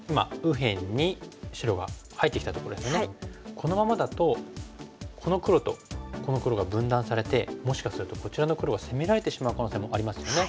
このままだとこの黒とこの黒が分断されてもしかするとこちらの黒が攻められてしまう可能性もありますよね。